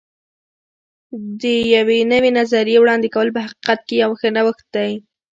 د یوې نوې نظریې وړاندې کول په حقیقت کې یو ښه نوښت دی.